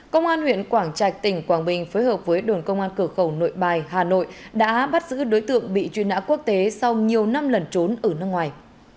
công an huyện quảng trạch tỉnh quảng bình phối hợp với đồn công an cửa khẩu nội bài hà nội đã bắt giữ đối tượng bị truy nã quốc tế sau nhiều năm lần trốn ở nước ngoài